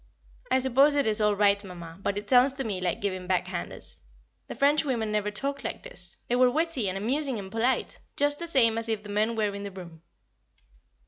I suppose it is all right, Mamma, but it sounds to me like giving back handers. The French women never talked like this; they were witty and amusing and polite, just the same as if the men were in the room.